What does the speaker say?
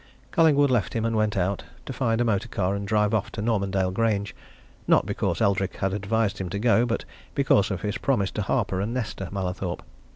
Collingwood left him and went out to find a motorcar and drive off to Normandale Grange, not because Eldrick had advised him to go, but because of his promise to Harper and Nesta Mallathorpe.